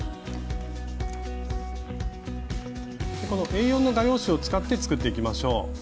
このＡ４の画用紙を使って作っていきましょう。